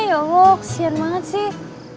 ya allah kasihan banget sih